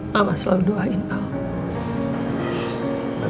mama selalu doain al